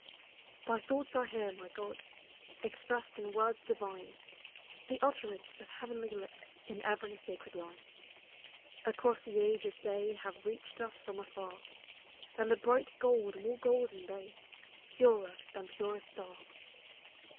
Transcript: Thy thoughts are here, my God, Expressed in words divine, The utterance of heavenly lips In every sacred line. Across the ages they Have reached us from afar, Than the bright gold more golden they, Purer than purest star.